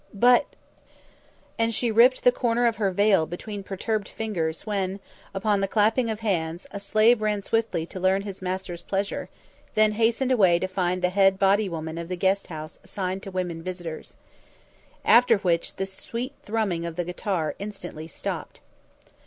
"But " And she ripped the corner of her veil between perturbed fingers when, upon the clapping of hands, a slave ran swiftly to learn his master's pleasure, then hastened away to find the head body woman of the guesthouse assigned to women visitors. After which the sweet thrumming of the guitar instantly stopped.